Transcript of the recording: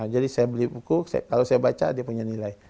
jadi saya beli buku kalau saya baca dia punya nilai